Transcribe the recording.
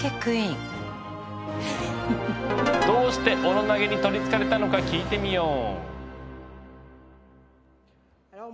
どうしてオノ投げに取りつかれたのか聞いてみよう。